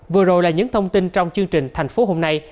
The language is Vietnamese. vừa rồi là những thông tin trong chương trình thành phố hôm nay